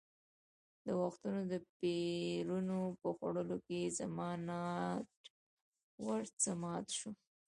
د وختونو د پېرونو په خوړلو زما ناټ ور څخه مات شو.